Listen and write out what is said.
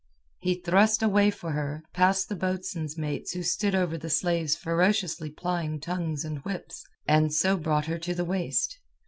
He thrust a way for her, past the boatswain's mates who stood over the slaves ferociously plying tongues and whips, and so brought her to the waist.